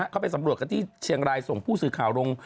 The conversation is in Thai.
เขาไปสำรวจกันที่เชียงรายส่งผู้สื่อข่าวลง